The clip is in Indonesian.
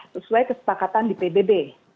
sesuai kesepakatan di pbb